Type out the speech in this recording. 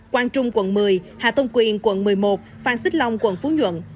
quang trung quận một mươi hà tông quyền quận một mươi một phan xích long quận phú nhuận